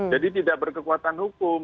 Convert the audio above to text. jadi tidak berkekuatan hukum